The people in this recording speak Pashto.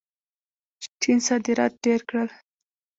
چین صادرات ډېر کړل.